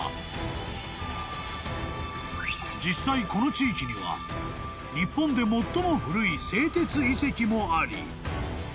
［実際この地域には日本で最も古い製鉄遺跡もあり］